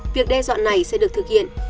việc đe dọa này sẽ được thực hiện